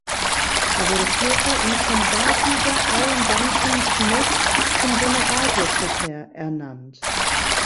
Er wurde Vierter und vom Wahlsieger Iain Duncan Smith zum Generalsekretär ernannt.